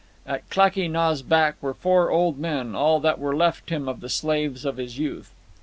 At Klakee Nah's back were four old men, all that were left him of the slaves of his youth.